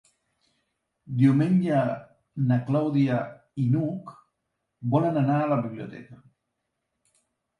Diumenge na Clàudia i n'Hug volen anar a la biblioteca.